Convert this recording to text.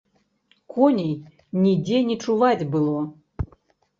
Коней нідзе не чуваць было.